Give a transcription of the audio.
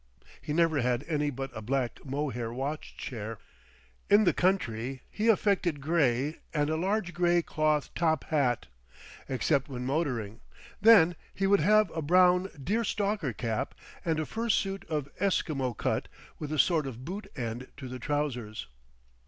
He never had any but a black mohair watch chair. In the country he affected grey and a large grey cloth top hat, except when motoring; then he would have a brown deer stalker cap and a fur suit of esquimaux cut with a sort of boot end to the trousers.